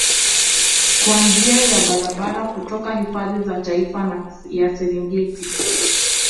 kwa njia ya barabara kutoka hifadhi ya Taifa ya Serengeti